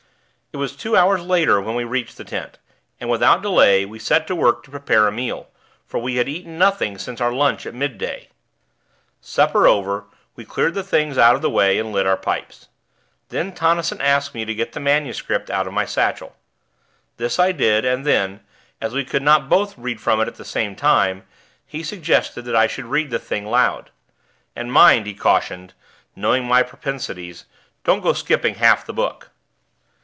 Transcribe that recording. It was two hours later when we reached the tent; and, without delay, we set to work to prepare a meal; for we had eaten nothing since our lunch at midday. Supper over, we cleared the things out of the way, and lit our pipes. Then Tonnison asked me to get the manuscript out of my satchel. This I did, and then, as we could not both read from it at the same time, he suggested that I should read the thing out loud. "And mind," he cautioned, knowing my propensities, "don't go skipping half the book."